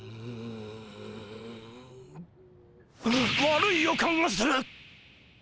悪い予感がする！